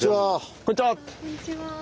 こんにちは。